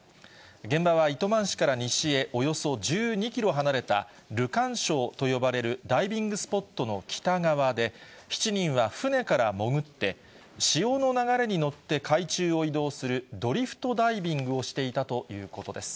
現場は糸満市から西へおよそ１２キロ離れたルカン礁と呼ばれるダイビングスポットの北側で、７人は船から潜って、潮の流れに乗って海中を移動するドリフトダイビングをしていたということです。